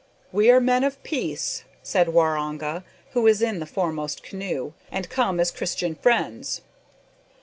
"We are men of peace," said Waroonga, who was in the foremost canoe, "and come as Christian friends."